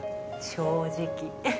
正直。